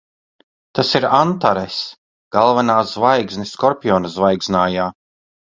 Tas ir Antaress. Galvenā zvaigzne Skorpiona zvaigznājā.